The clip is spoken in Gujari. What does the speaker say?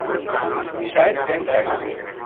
شاید ٹیم ضائع نہ ہوتو